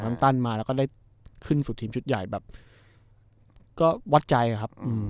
ตันมาแล้วก็ได้ขึ้นสู่ทีมชุดใหญ่แบบก็วัดใจครับ